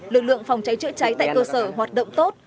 lực lượng phòng cháy chữa cháy tại cơ sở hoạt động tốt